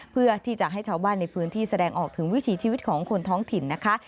เพื่อที่จะให้ชาวบ้านในพื้นที่แสดงออกถึงวิถีชีวิตของคนท้องถิ่นนะคะ